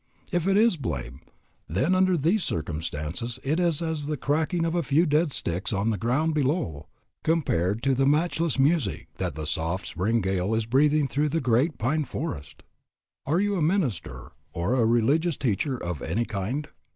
If it is blame, then under these circumstances it is as the cracking of a few dead sticks on the ground below, compared to the matchless music that the soft spring gale is breathing through the great pine forest. Are you a minister, or a religious teacher of any kind?